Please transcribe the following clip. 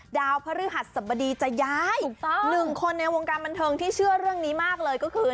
ดาวพระฤหัสสบดีจะย้ายหนึ่งคนในวงการบันเทิงที่เชื่อเรื่องนี้มากเลยก็คือ